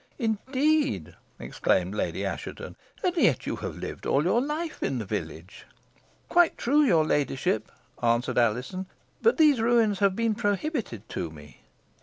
"Indeed!" exclaimed Lady Assheton; "and yet you have lived all your life in the village?" "Quite true, your ladyship," answered Alizon; "but these ruins have been prohibited to me."